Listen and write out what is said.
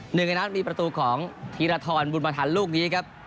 หนึ่งในนั้นมีประตูของธีรทรบุญมาทันลูกนี้ครับ